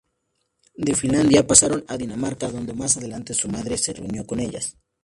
De Finlandia pasaron a Dinamarca, donde más adelante su madre se reunió con ellas.